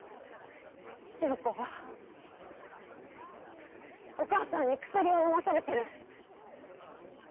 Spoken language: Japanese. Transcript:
千世子はお母さんに薬を飲まされてる。